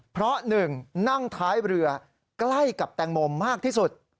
เพราะ๑นั่งท้ายเรือใกล้กับแตงโมมากที่สุด